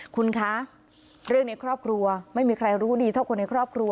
คุณคะเรื่องในครอบครัวไม่มีใครรู้ดีเท่าคนในครอบครัว